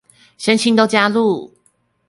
身心都加入